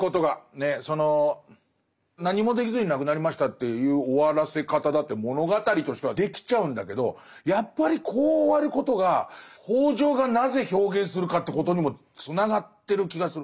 その何もできずに亡くなりましたっていう終わらせ方だって物語としてはできちゃうんだけどやっぱりこう終わることが北條がなぜ表現するかということにもつながってる気がする。